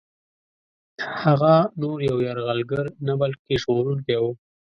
هغه نور یو یرغلګر نه بلکه ژغورونکی وو.